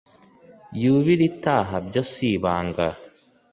yubire itaha byo si ibanga